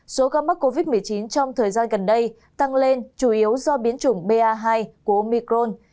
số ca mắc covid một mươi chín trong thời gian gần đây tăng lên chủ yếu do biến chủng ba hai của micron